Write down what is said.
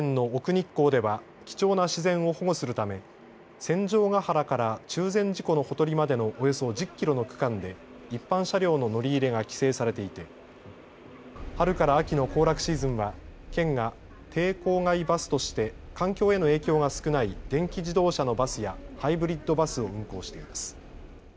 日光では、貴重な自然を保護するため、戦場ヶ原から中禅寺湖のほとりまでのおよそ１０キロの区間で、一般車両の乗り入れが規制されていて、春から秋の行楽シーズンは、県が低公害バスとして環境への影響が少ない電気自動車のバスや、ハイブリッドバスを運行しています。